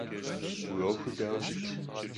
Уи ӏуэхур дауэ щыт?